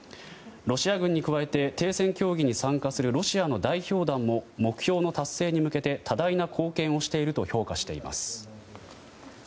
ロシア軍に加えて停戦協議に参加するロシアの代表団も目標の達成に向けて多大な貢献をしていると評価しています。